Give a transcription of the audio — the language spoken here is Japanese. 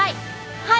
はい！